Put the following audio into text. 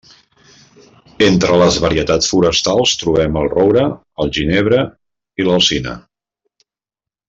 Entre les varietats forestals trobem el roure, el ginebre i l'alzina.